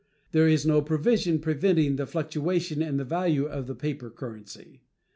There is no provision preventing the fluctuation in the value of the paper currency.